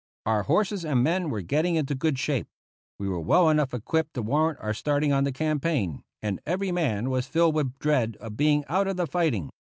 Our horses and men were getting into good shape. We were well enough equipped to warrant our starting on the campaign, and every man was filled with dread of being out of the fighting.